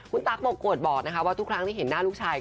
คุณตั๊กบงกวดบอกนะคะว่าทุกครั้งที่เห็นหน้าลูกชาย